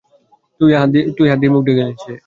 তুই হাত দিয়ে মুখ ঢেকে নিয়েছিলি।